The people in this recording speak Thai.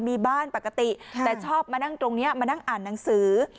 มีบ้านปกติแต่ชอบมานั่งตรงนี้มานั่งอ่านหนังสือ